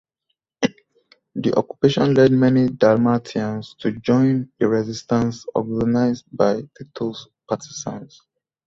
The occupation led many Dalmatians to join the resistance organized by Tito's Partisans.